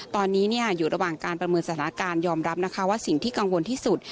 ตอนนี้อยู่ระหว่างการประเมินสถานการณ์ยอมรับนะคะว่าสิ่งที่กังวลที่สุด